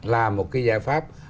là một cái giải pháp